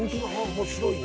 面白いね。